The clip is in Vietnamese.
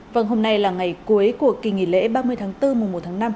vâng hôm nay là ngày cuối của kỳ nghỉ lễ ba mươi tháng bốn mùa một tháng năm